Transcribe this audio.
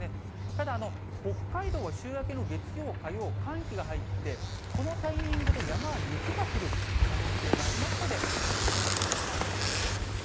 ただ、北海道は週明けの月曜、火曜、寒気が入って、このタイミングで山は雪が降る可能性がありますので、ご注意ください。